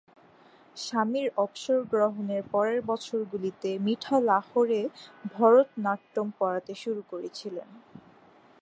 স্বামীর অবসর গ্রহণের পরের বছরগুলিতে মিঠা লাহোরে ভরতনাট্যম পড়াতে শুরু করেছিলেন।